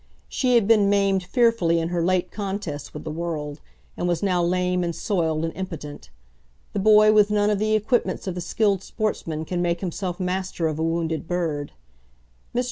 She had been maimed fearfully in her late contests with the world, and was now lame and soiled and impotent. The boy with none of the equipments of the skilled sportsman can make himself master of a wounded bird. Mr.